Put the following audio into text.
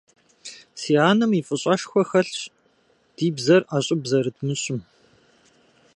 Си анэм и фӀыщӀэшхуэ хэлъщ ди бзэр ӀэщӀыб зэрыдмыщӀым.